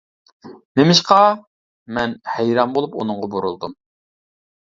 -نېمىشقا؟ -مەن ھەيران بولۇپ ئۇنىڭغا بۇرۇلدۇم.